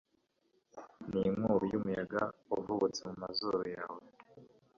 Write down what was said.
n’inkubi y’umuyaga uvubutse mu mazuru yawe